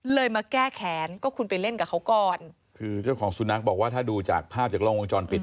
มาแก้แขนก็คุณไปเล่นกับเขาก่อนคือเจ้าของสุนัขบอกว่าถ้าดูจากภาพจากล้องวงจรปิด